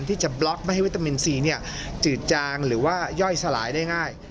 ที่จะบล็อกไม่ให้วิตามินซีจืดจางหรือว่าย่อยสลายได้ง่าย